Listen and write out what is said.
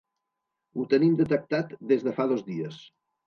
Ho tenim detectat des de fa dos dies.